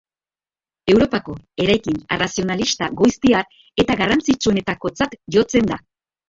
Europako eraikin arrazionalista goiztiar eta garrantzitsuenetakotzat jotzen da.